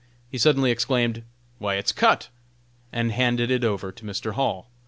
He suddenly exclaimed, "Why, it's cut!" and handed it over to Mr. Hall.